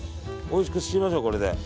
おいしくしましょう、これで。